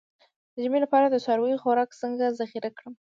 د ژمي لپاره د څارویو خوراک څنګه ذخیره کړم؟